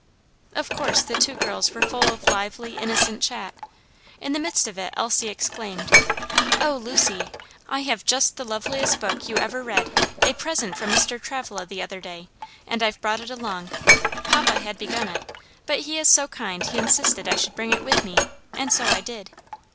Of course the two girls were full of lively, innocent chat. In the midst of it Elsie exclaimed, "Oh, Lucy! I have just the loveliest book you ever read! a present from Mr. Travilla the other day, and I've brought it along. Papa had begun it, but he is so kind he insisted I should bring it with me; and so I did."